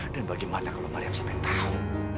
dan bagaimana kalau maria sampai tahu